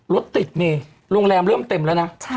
รถติดมีโรงแรมเริ่มเต็มแล้วนะ